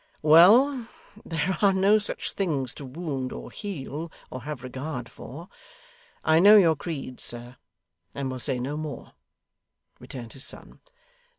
'Well! there are no such things to wound, or heal, or have regard for. I know your creed, sir, and will say no more,' returned his son.